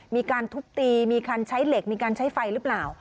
มีการทุบตีมีการใช้เหล็กมีการใช้ไฟหรือเปล่า